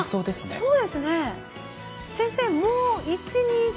そうですね。